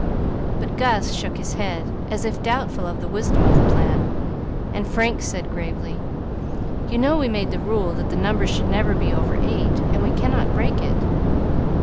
But Gus shook his head, as if doubtful of the wisdom of the plan, and Frank said gravely: "You know we made the rule that the number should never be over eight, and we cannot break it."